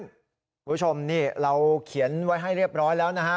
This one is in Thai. คุณผู้ชมนี่เราเขียนไว้ให้เรียบร้อยแล้วนะฮะ